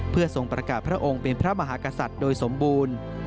เพื่อทรงประกาศพระองค์เป็นพระมหากษัตริย์โดยสมบูรณ์